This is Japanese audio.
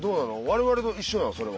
我々と一緒なの？